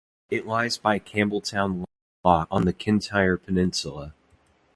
It lies by Campbeltown Loch on the Kintyre peninsula.